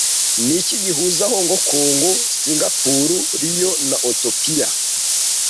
Niki gihuza Hong Kong Singapore Rio na Utopia